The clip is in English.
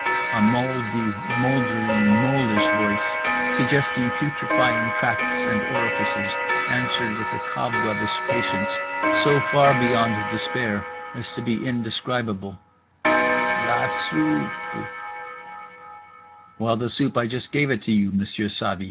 A moldly moldering molish voice, suggesting putrefying tracts and orifices, answers with a cob webbish patience so far beyond despair as to be indescribable: "La soupe." "Well, the soup, I just gave it to you, Monsieur Savy."